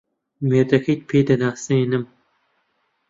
مێردەکەیت پێ دەناسێنم.